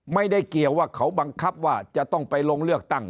ไม่ได้เกี่ยวว่าเขาบังคับว่าจะต้องไปลงเลือกตั้ง